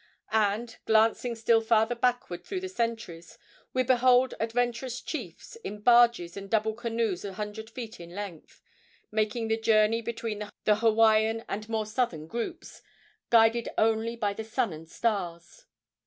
And, glancing still farther backward through the centuries, we behold adventurous chiefs, in barges and double canoes a hundred feet in length, making the journey between the Hawaiian and more southern groups, guided only by the sun and stars.